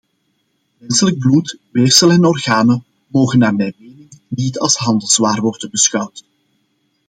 Menselijk bloed, weefsel en organen mogen naar mijn mening niet als handelswaar worden beschouwd.